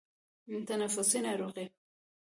تنفسي ناروغۍ